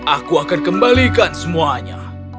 aku akan kembalikan semuanya